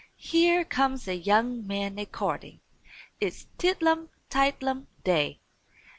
Here comes a young man a courtin'! It's Tidlum Tidelum Day.